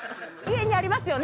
家にありますよ！